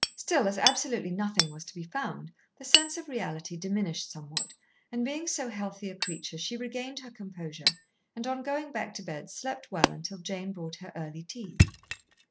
Still as absolutely nothing was to be found, the sense of reality diminished somewhat, and being so healthy a creature, she regained her composure, and on going back to bed slept well until Jane brought her early tea.